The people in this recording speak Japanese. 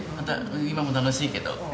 今も楽しいけど。